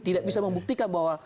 tidak bisa membuktikan bahwa